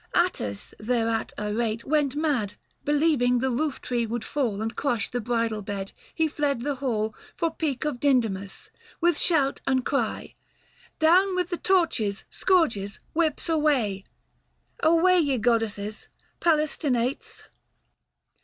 Attis thereat irate Went mad ; believing the roof tree would fall And crush the bridal bed, he fled the hall For peak of Dindymus, with shout and cry ' Down with the torches, scourges, whips away, " 265 Away ye goddesses, — Palaestinates